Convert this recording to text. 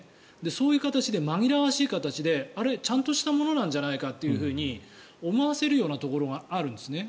そういう形で紛らわしい形であれ、ちゃんとしたものなんじゃないかって思わせるようなところがあるんですね。